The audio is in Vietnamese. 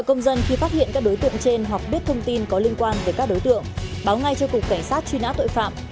công dân khi phát hiện các đối tượng trên hoặc biết thông tin có liên quan về các đối tượng báo ngay cho cục cảnh sát truy nã tội phạm